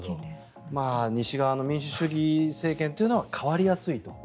西側の民主主義政権というのは代わりやすいと。